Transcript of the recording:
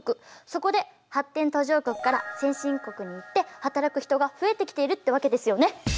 そこで発展途上国から先進国に行って働く人が増えてきているってわけですよね。